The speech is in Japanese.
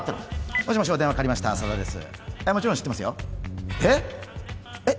もちろん知ってますよえっ！？